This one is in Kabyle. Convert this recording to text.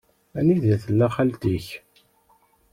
Anida tella xalti-k?